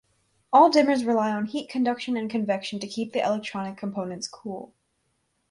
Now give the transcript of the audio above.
All dimmers rely on heat conduction and convection to keep the electronic components cool.